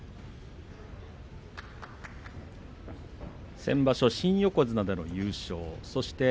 先場所、新横綱で優勝。